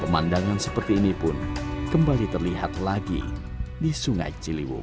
pemandangan seperti ini pun kembali terlihat lagi di sungai ciliwung